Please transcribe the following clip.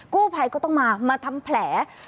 กู้ภัยก็ต้องมามาทำแผล